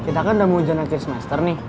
eh kita kan udah mau hujan akhir semester nih